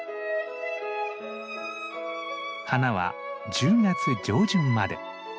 花は１０月上旬まで。